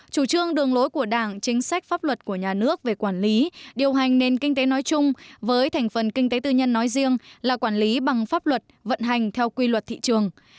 chủ trương đường lối của đảng chính sách pháp luật của nhà nước về quản lý điều hành nền kinh tế nói chung với thành phần kinh tế tư nhân nói riêng là quản lý bằng pháp luật vận hành theo quy luật thị trường